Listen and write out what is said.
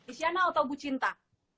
isyana atau bu cinta